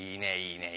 いいね。